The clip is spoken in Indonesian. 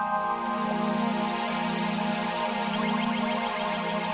yang ketiga kita menjalankan perintah di bulan ramadhan